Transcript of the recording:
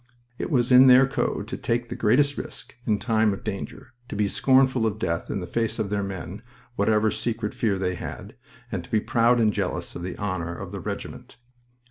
It was in their code to take the greatest risk in time of danger, to be scornful of death in the face of their men whatever secret fear they had, and to be proud and jealous of the honor of the regiment.